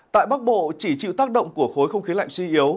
tại bắc bộ chỉ chịu tác động của khối không khí lạnh suy yếu